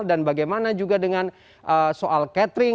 dan bagaimana juga dengan soal catering